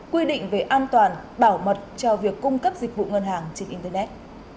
quy định về an toàn bảo mật cho việc cung cấp dịch vụ ngân hàng trên internet